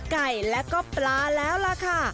ไก่และก็ปลาแล้วล่ะค่ะ